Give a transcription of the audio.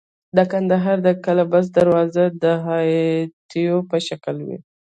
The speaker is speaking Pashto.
د کندهار د قلعه بست دروازې د هاتیو په شکل وې